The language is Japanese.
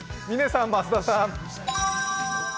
嶺さん、増田さん。